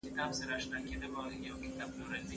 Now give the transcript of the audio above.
زوی یې تور بیک په اوږه کړ او د وتلو نیت یې وکړ.